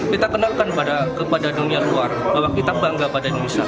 kita kenalkan kepada dunia luar bahwa kita bangga pada indonesia